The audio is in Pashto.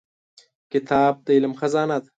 کتاب د علم خزانه ده.